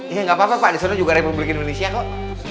iya nggak apa apa pak di sana juga republik indonesia kok